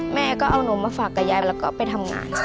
แม่ก็เอานมมาฝากกับยายแล้วก็ไปทำงานค่ะ